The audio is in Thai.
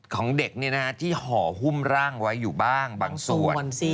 ของเด็กที่ห่อหุ้มร่างไว้อยู่บ้างบางส่วน